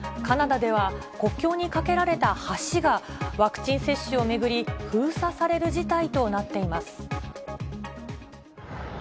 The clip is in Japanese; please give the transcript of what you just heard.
カナダでは、国境に架けられた橋が、ワクチン接種を巡り、封鎖される事態となっています。